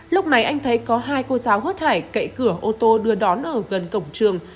lúc này anh thấy có hai cô giáo hớt hải cậy cửa ô tô đưa đón ở gần cổng trường